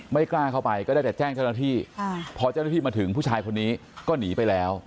กล้าเข้าไปก็ได้แต่แจ้งเจ้าหน้าที่พอเจ้าหน้าที่มาถึงผู้ชายคนนี้ก็หนีไปแล้ว